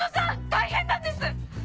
大変なんです！